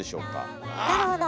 なるほど。